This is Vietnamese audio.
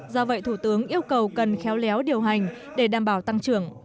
do vậy thủ tướng yêu cầu cần khéo léo điều hành để đảm bảo tăng trưởng